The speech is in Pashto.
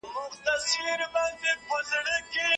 هغه کس چي ملګري نلري له خطر سره مخ دی.